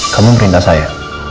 kamu pindah saya